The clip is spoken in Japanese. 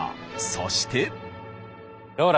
そして。